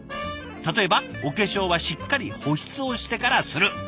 例えばお化粧はしっかり保湿をしてからする。